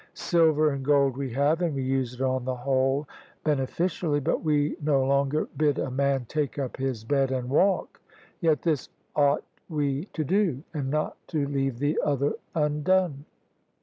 Silver and gold we have, and we use it on the whole bene OF ISABEL CARNABY ficially: but we no longer bid a man take up his bed and walk. Yet this ought we to do, and not to leave the other undone."